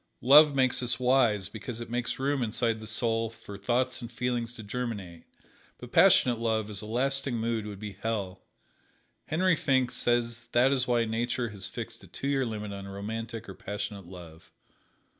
Love makes us wise because it makes room inside the soul for thoughts and feelings to germinate; but passionate love as a lasting mood would be hell. Henry Finck says that is why Nature has fixed a two year limit on romantic or passionate love.